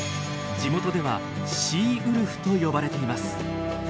地元では「シーウルフ」と呼ばれています。